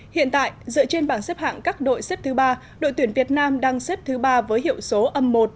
hiện tại dựa trên bảng xếp hạng các đội xếp thứ ba đội tuyển việt nam đang xếp thứ ba với hiệu số âm một